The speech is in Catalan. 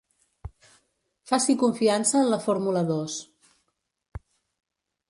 Faci confiança en la Fórmula dos.